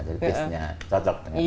jadi pastinya cocok dengan indonesia